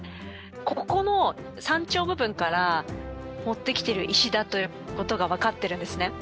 ここの山頂部分から持ってきてる石だという事がわかってるんですね。